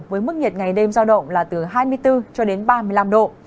với mức nhiệt ngày đêm giao động là từ hai mươi bốn cho đến ba mươi năm độ